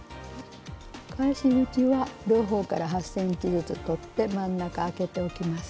返し口は両方から８ｃｍずつ取って真ん中あけておきます。